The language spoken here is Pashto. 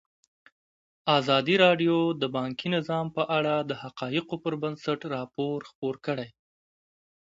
ازادي راډیو د بانکي نظام په اړه د حقایقو پر بنسټ راپور خپور کړی.